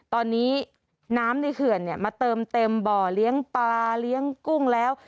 ตอนนี้น้ำในเขื่อนมาเติมเต็มบ่อเลี้ยงปลาเลี้ยงกุ้งแล้ว